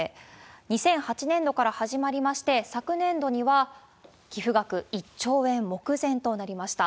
２００８年度から始まりまして、昨年度には寄付額１兆円目前となりました。